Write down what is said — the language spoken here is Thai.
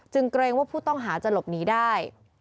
เกรงว่าผู้ต้องหาจะหลบหนีได้